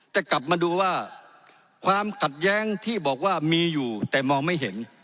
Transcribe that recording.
แต่กลับมาดูว่าความขัดแย้งที่บอกว่ามีอยู่แต่มองไม่เห็น